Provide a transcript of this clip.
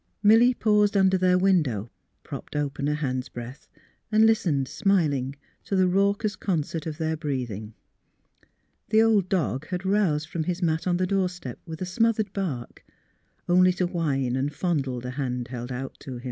Milly paused under their window, propped open a hand's breadth, and listened, smiling, to the raucous concert of their breathing. The old dog had roused from his mat on the doorstep with a smothered bark, only to whine and fondle the hand held out to him.